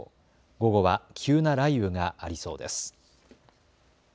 午後は急な雷雨がありそうです。